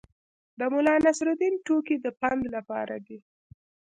د ملانصرالدین ټوکې د پند لپاره دي.